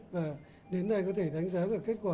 và đến nay có thể đánh giá được kết quả